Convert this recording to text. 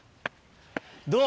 どう？